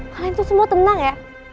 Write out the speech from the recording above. kalian tuh semua tenang ya